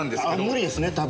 無理ですね多分。